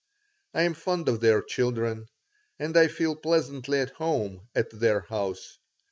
I am fond of their children and I feel pleasantly at home at their house.